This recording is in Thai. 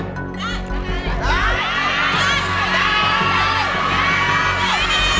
ได้